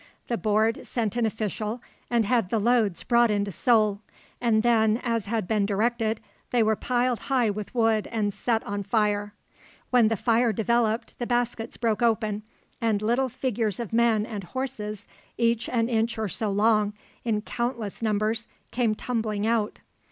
The Board sent an official, and had the loads brought into Seoul, and then, as had been directed, they were piled high with wood and set on fire. When the fire developed, the baskets broke open, and little figures of men and horses, each an inch or so long, in countless numbers, came tumbling out.